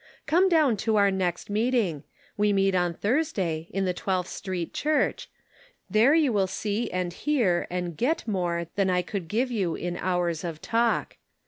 Come down to our next meeting; we meet on Thursday, in the Twelfth Street Church ; there you will see and hear, and get more than I could give you in hours of talk.